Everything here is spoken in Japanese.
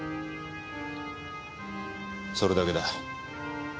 それだけだ。